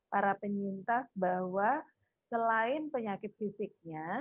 para penyintas bahwa selain penyakit fisiknya